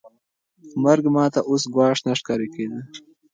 مرګ ما ته اوس ګواښ نه ښکاره کېده.